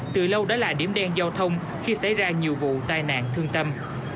từ lâu đã là điểm đen giao thông khi xảy ra nhiều vụ tai nạn thương tâm